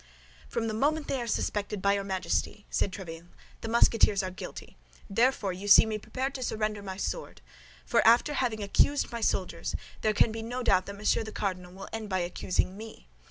"From the moment they are suspected by your Majesty," said Tréville, "the Musketeers are guilty; therefore, you see me prepared to surrender my sword—for after having accused my soldiers, there can be no doubt that Monsieur the Cardinal will end by accusing me.